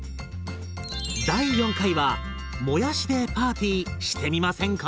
第４回はもやしでパーティーしてみませんか？